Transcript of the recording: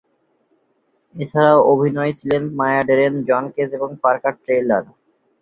এছাড়াও অভিনয়ে ছিলেন মায়া ডেরেন, জন কেজ এবং পার্কার টাইলার।